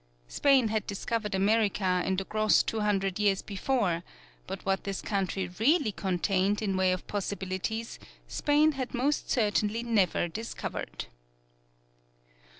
Spain had discovered America in the gross two hundred years before, but what this country really contained in way of possibilities, Spain had most certainly never discovered.